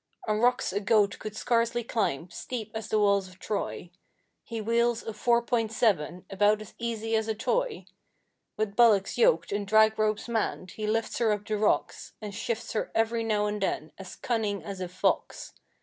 On rocks a goat could scarcely climb, steep as the walls of Troy, He wheels a four point seven about as easy as a toy; With bullocks yoked and drag ropes manned, he lifts her up the rocks And shifts her every now and then, as cunning as a fox.